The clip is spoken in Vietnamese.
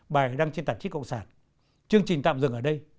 bài đang trên tạp chức cộng sản chương trình tạm dừng ở đây